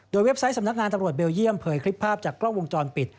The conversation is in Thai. เว็บไซต์สำนักงานตำรวจเบลเยี่ยมเผยคลิปภาพจากกล้องวงจรปิด